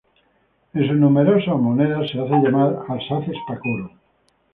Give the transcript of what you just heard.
En sus numerosas monedas se hace llamar "Arsaces Pacoro".